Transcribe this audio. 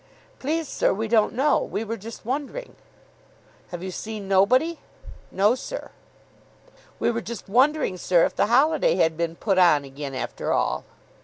"Please, sir, we don't know. We were just wondering." "Have you seen nobody?" "No, sir." "We were just wondering, sir, if the holiday had been put on again, after all."